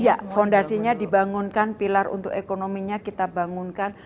iya fondasinya dibangunkan pilar untuk ekonominya kita bangunkan